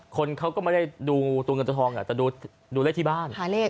คนเขาก็ไม่ได้ดูตัวเงินตัวทองแต่ดูเลขที่บ้าน